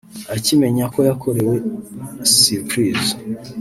Akimenya ko yakorewe surprise